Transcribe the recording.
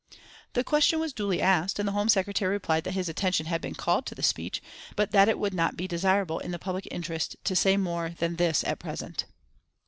The question was duly asked, and the Home Secretary replied that his attention had been called to the speech, but that it would not be desirable in the public interest to say more than this at present.